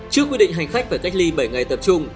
trước quy định hành khách phải cách ly bảy ngày tập trung